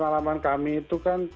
kalau pengalaman kami itu kan